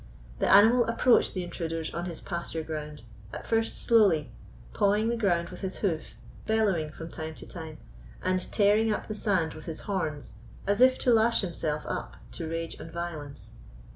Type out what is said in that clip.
The animal approached the intruders on his pasture ground, at first slowly, pawing the ground with his hoof, bellowing from time to time, and tearing up the sand with his horns, as if to lash himself up to rage and violence.